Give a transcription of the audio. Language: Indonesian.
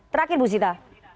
terakhir bu zita